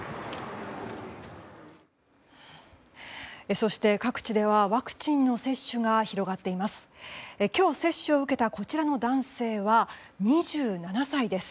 そして、各地ではワクチンの接種が広がっています。